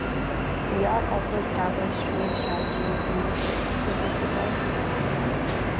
Fiat also established a new strategy within the group with the Tipo.